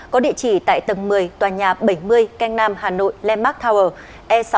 có địa chỉ tại tầng một mươi tòa nhà bảy mươi canh nam hà nội leemark tower e sáu